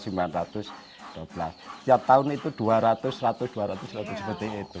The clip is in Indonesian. setiap tahun itu dua ratus seratus dua ratus seratus seperti itu